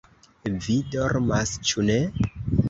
vi dormas, ĉu ne?